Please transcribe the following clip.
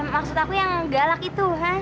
maksud aku yang galak itu kan